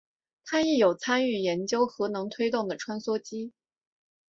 他亦有参与研究核能推动的穿梭机。